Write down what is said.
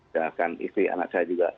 sedangkan istri anak saya juga